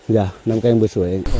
dạ năm càng bữa xuối anh